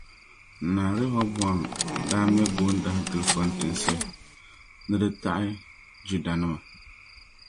Naa Rɛhɔbɔam daa me goondahi gili fɔntinsi ni di taɣi Judanima.